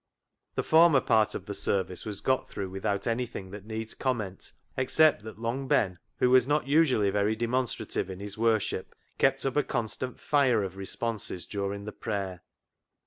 The former part of the service was got through without anything that needs comment, except that Long Ben, who was not usually very demonstrative in his worship, kept up a con stant fire of responses during the prayer.